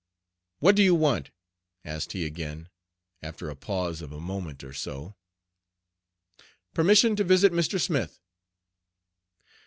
"What do you want?" asked he again, after a pause of a moment or so. "Permission to visit Mr. Smith."